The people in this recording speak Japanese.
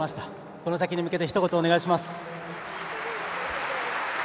この先に向けてひと言お願いします。